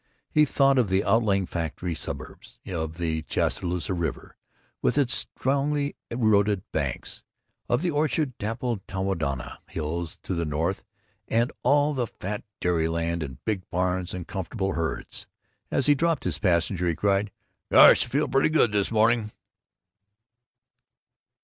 He thought of the outlying factory suburbs; of the Chaloosa River with its strangely eroded banks; of the orchard dappled Tonawanda Hills to the North, and all the fat dairy land and big barns and comfortable herds. As he dropped his passenger he cried, "Gosh, I feel pretty good this morning!"